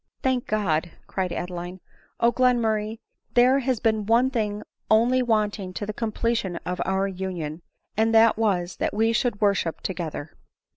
"Thank God !" cried Adeline. " O Glenmurray ! there has been one thing only wanting to the completion of our union ; and that was, that we should worship together."